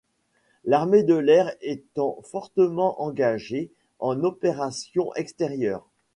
L'Armée de l'air étant fortement engagée en opérations extérieures.